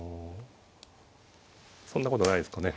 そんなことないですかね。